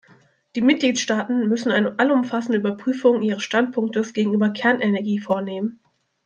Die Mitgliedstaaten müssen eine allumfassende Überprüfung ihres Standpunktes gegenüber Kernenergie vornehmen.